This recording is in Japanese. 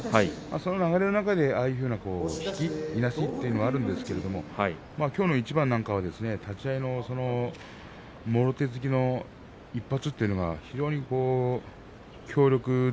その流れの中でああいうように引き、いなしというのがあるんですがきょうの一番なんかは立ち合いのもろ手突きの１発というのが